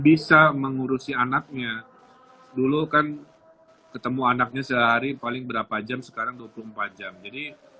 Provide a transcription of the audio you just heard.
bisa mengurusi anaknya dulu kan ketemu anaknya sehari paling berapa jam sekarang dua puluh empat jam jadi